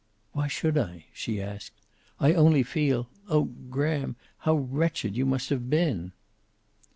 "Why should I?" she asked. "I only feel oh, Graham, how wretched you must have been."